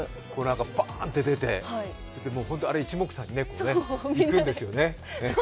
バーンと出て、一目散に行くんですよね。